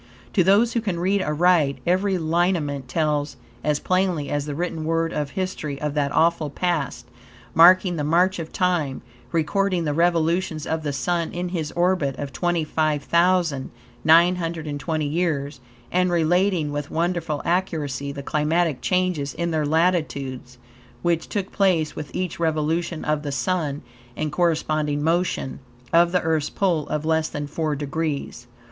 To those who can read aright, every lineament tells as plainly as the written word the history of that awful past, marking the march of time, recording the revolutions of the Sun in his orbit of 25,920 years, and relating with wonderful accuracy the climatic changes, in their latitudes, which took place with each revolution of the Sun and corresponding motion of the Earth's pole of less than four degrees.